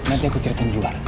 nanti aku ceritain di luar